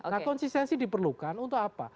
nah konsistensi diperlukan untuk apa